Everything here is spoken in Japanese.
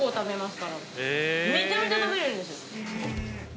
めちゃめちゃ食べるんです。